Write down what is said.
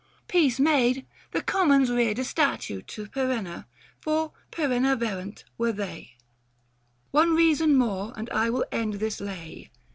720 Peace made, the Commons reared a statue to Perenna, for " perennaverant " were they. One reason more and I will end this lay.